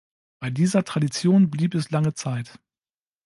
Bei dieser Tradition blieb es lange Zeit.